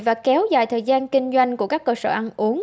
và kéo dài thời gian kinh doanh của các cơ sở ăn uống